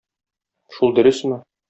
Шул дөресме?